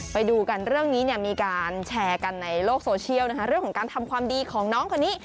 ไปดูกันเรื่องนี้เนี่ยมีการแชร์กันในโลกโซเชียลนะคะเรื่องของการทำความดีของน้องคนนี้